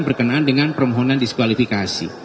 berkenaan dengan permohonan diskualifikasi